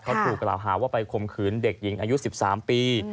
เขาถูกกล่าวหาว่าไปข่มขืนเด็กหญิงอายุ๑๓ปี